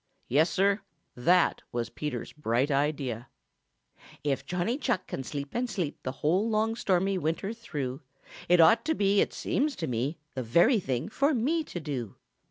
Yes, Sir, that was Peter Rabbit's bright idea. "If Johnny Chuck can sleep and sleep The whole long, stormy winter through, It ought to be, it seems to me, The very thing for me to do."